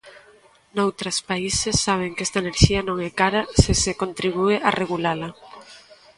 Noutras países saben que esta enerxía non é cara se se contribúe a regulala.